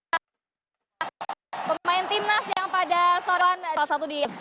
para pemain timnas yang pada soal satu d